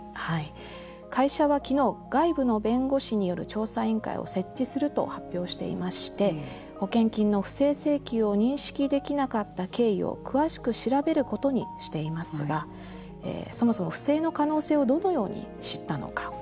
会社は昨日外部の弁護士による調査委員会を設置すると発表していまして保険金の不正請求を認識できなかった経緯を詳しく調べることにしていますがそもそも不正の可能性をどのように知ったのか。